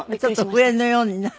ちょっと笛のようになる。